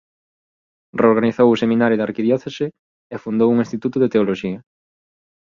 Reorganizou o seminario da arquidiocese e fundou un instituto de Teoloxía.